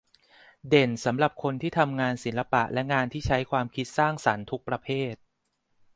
เด่นสำหรับคนที่ทำงานศิลปะและงานที่ใช้ความคิดสร้างสรรค์ทุกประเภท